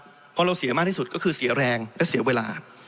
เพราะเราเสียมากที่สุดก็คือเสียแรงและเสียเวลา